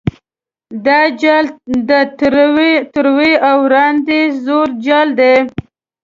دا جال د ترور او ړانده زوړ جال دی.